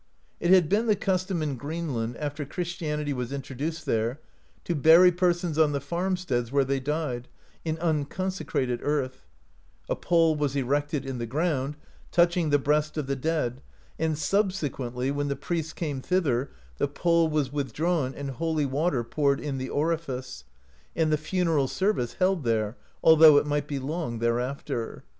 It had been the custom in Greenland, after Christianity was introduced there, to bury persons on the farmsteads where they died, in un consecrated earth; a pole was erected in the ground, touching the breast of the dead, and subsequently, when the priests came thither, the pole was withdrawn and holy water poured in [the orifice], and the funeral service held there, although it might be long thereafter.